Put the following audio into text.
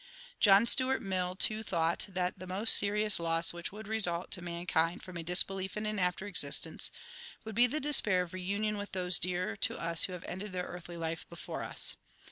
John Stuart Mill, too, thought * that the most serious loss which would result to mankind from a disbelief in an after existence would be the despair of reunion with those dear to us who have ended their earthly life before us.